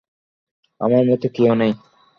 আমার মতো কেউ নেই।